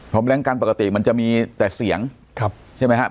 แรงกันปกติมันจะมีแต่เสียงใช่ไหมครับ